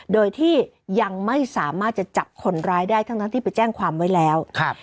โดยที่ยังไม่สามารถจะจับคนร้ายได้ทั้งที่ไปแจ้งความไว้แล้วครับ